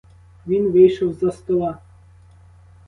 Він вийшов з-за стола.